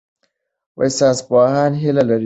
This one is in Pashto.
ساینسپوهان هیله لري.